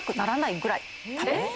えっ？